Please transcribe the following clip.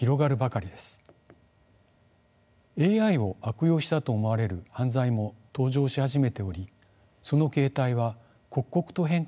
ＡＩを悪用したと思われる犯罪も登場し始めておりその形態は刻々と変化しています。